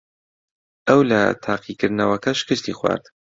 ئەو لە تاقیکردنەوەکە شکستی خوارد.